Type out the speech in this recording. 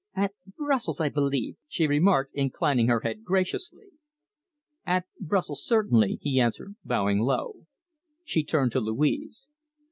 "At Brussels, I believe," she remarked, inclining her head graciously. "At Brussels, certainly," he answered, bowing low. She turned to Louise.